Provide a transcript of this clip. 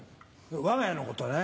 わが家のことね。